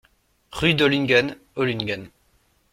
Rue d'Ohlungen, Ohlungen